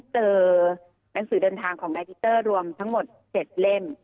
หนังสือเดินทางของนายดิเตอร์รวมทั้งหมด๗เล่ม